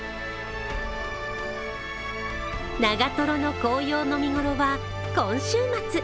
長瀞の紅葉の見頃は今週末。